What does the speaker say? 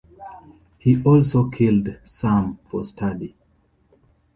He also killed some for study.